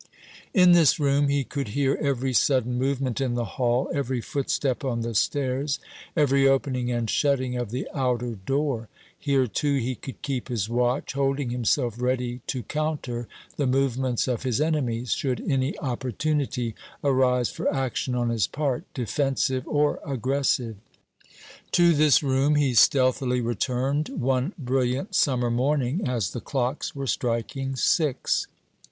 In this room he could hear every sudden movement in the hall, every footstep on the stairs, every opening and shutting of the outer door. Here, too, he could keep his watch, holding himself ready to counter the movements of his enemies, should any opportunity arise for action on his part, defensive or aggressive. To this room he stealthily returned one brilliant summer morning as the clocks were striking six.